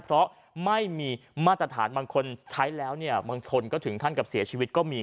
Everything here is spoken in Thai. เพราะไม่มีมาตรฐานบางคนใช้แล้วเนี่ยบางคนก็ถึงขั้นกับเสียชีวิตก็มี